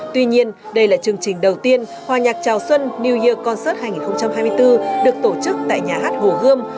tuy nhiên đây là chương trình đầu tiên hòa nhạc chào xuân new year concert hai nghìn hai mươi bốn được tổ chức tại nhà hát hồ gươm